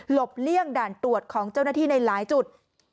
เลี่ยงด่านตรวจของเจ้าหน้าที่ในหลายจุด